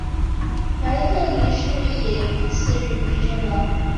马立克一世也于次日不治身亡。